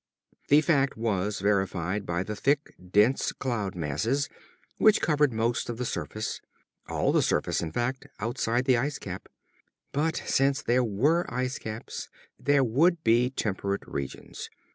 The fact was verified by the thick, dense cloud masses which covered most of the surface, all the surface, in fact, outside the ice cap. But since there were ice caps there would be temperate regions.